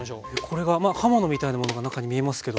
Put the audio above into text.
これがまあ刃物みたいなものが中に見えますけど。